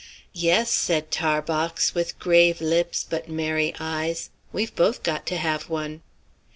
"Yes," said Tarbox, with grave lips, but merry eyes; "we've both got to have one."